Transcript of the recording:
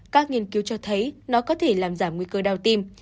các nghiên cứu cho thấy nó có thể làm giảm nguy cơ đau tim